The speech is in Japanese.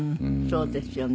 そうですよね。